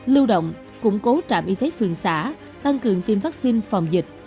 lưu động củng cố trạm y tế phường xã tăng cường tiêm vaccine phòng dịch